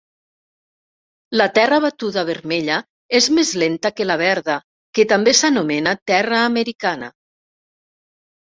La terra batuda vermella és més lenta que la verda, que també s'anomena terra americana.